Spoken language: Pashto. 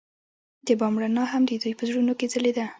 د بام رڼا هم د دوی په زړونو کې ځلېده.